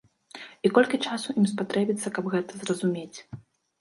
І колькі часу ім спатрэбіцца, каб гэта зразумець?